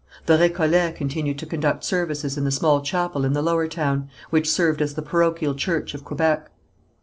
The Récollets continued to conduct services in the small chapel in the Lower Town, which served as the parochial church of Quebec.